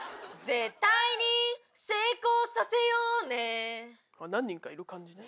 絶対に成功させようね何人かいる感じね。